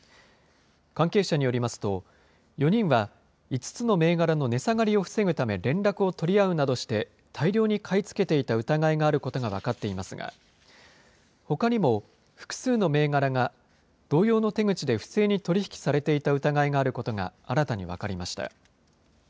関係者によりますと、４人は、５つの銘柄の値下がりを防ぐため連絡を取り合うなどして、大量に買い付けていた疑いがあることが分かっていますが、ほかにも複数の銘柄が同様の手口で不正に取り引きされていた疑いがあることが、新たに分かりました。